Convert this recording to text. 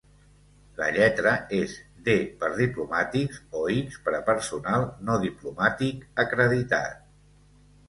La lletra és D per diplomàtics o X per a personal no diplomàtic acreditat.